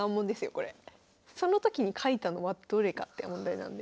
その時に書いたのはどれかって問題なので。